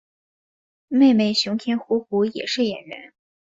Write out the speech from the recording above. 妹妹熊田胡胡也是演员。